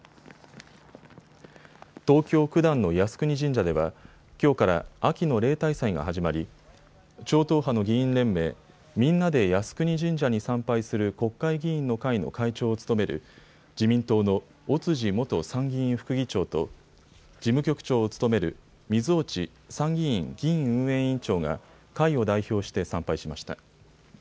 東京九段の靖国神社ではきょうから秋の例大祭が始まり超党派の議員連盟、みんなで靖国神社に参拝する国会議員の会の会長を務める自民党の尾辻参議院副議長と事務局長を務める水落参議院議院運営委員長が会を代表して参拝しました。